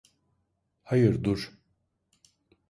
Hayır, dur.